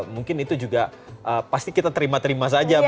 mungkin itu juga pasti kita terima terima saja